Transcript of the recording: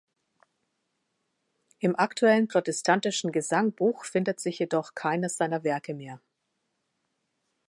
Im aktuellen protestantischen Gesangbuch findet sich jedoch keines seiner Werke mehr.